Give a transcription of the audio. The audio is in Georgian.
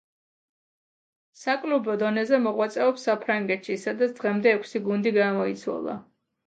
საკლუბო დონეზე მოღვაწეობს საფრანგეთში, სადაც დღემდე ექვსი გუნდი გამოიცვალა.